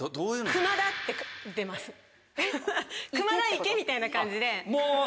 「熊田行け」みたいな感じで。